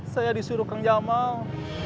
saya disuruh kang jamal